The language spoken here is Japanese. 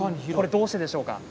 どうしてでしょうか。